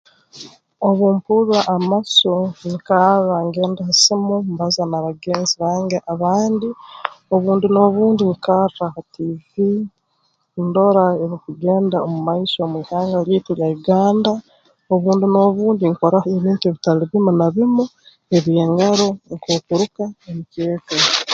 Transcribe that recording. Obu mpurra amasu nyikarra ngenda ha simu mbaza na bagenzi bange abandi obundi n'obundi nyikarra ha tiivi ndora ebirukugenda omu omaiso mu ihanga lyaitu lya Uganda obundi n'obundi nkoraho ebintu ebitali bimu na bimu eby'engaro nk'okuruka emikeeka